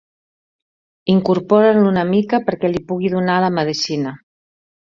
Incorpora'l una mica perquè li pugui donar la medecina.